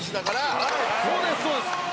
澤部：そうです、そうです。